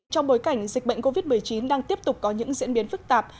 trong bối cảnh dịch bệnh covid một mươi chín đang tiếp tục có những diễn biến phức tạp